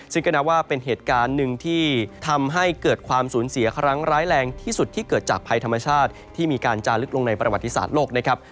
ซึ่งก็นับว่าเป็นเหตุการณ์หนึ่งที่ทำให้เกิดความสูญเสียครั้งร้ายแรงที่สุดที่เกิดจากภัยธรรมชาติที่มีการจาลึกลงในประวัติศาสตร์โลกนะครับ